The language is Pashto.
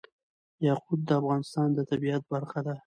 یاقوت د افغانستان د طبیعت برخه ده.